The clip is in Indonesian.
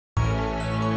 bemang yang di dunia bagimu